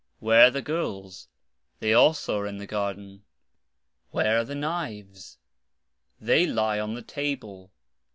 Where are the girls? They also are in the garden. Where are the knives ? They are (lie) on the table.